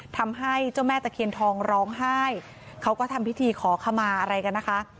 ทำให้เจ้าแม่ตะเคียนทองร้องไห้เขาก็ทำพิธีขอขมาอะไรกันนะคะ